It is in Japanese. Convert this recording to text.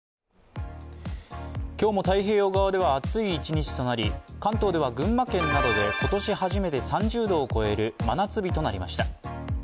今日も太平洋側では暑い一日となり、関東では群馬県などで今年初めて３０度を超える真夏日となりまし。